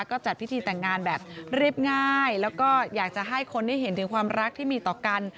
ก็จัดพิธีแต่งงานแบบเรียบง่ายแล้วก็อยากจะให้คนได้เห็นถึงความรักที่มีต่อกัน